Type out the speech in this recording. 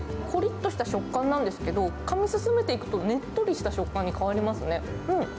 こりっとした食感なんですけど、かみ進めていくと、ねっとりした食感に変わりますね。